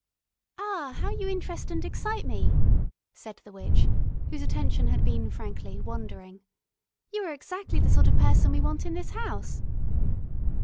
"Ah, how you interest and excite me," said the witch, whose attention had been frankly wandering. "You are exactly the sort of person we want in this house."